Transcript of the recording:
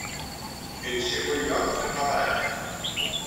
En segon lloc per la barana.